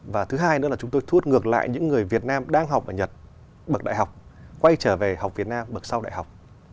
và thứ hai nữa là chúng tôi thu hút ngược lại những người việt nam đang học ở nhật bậc đại học quay trở về học việt nam bậc sau đại học